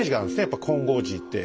やっぱ金剛寺って。